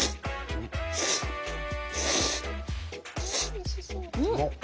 おいしそう。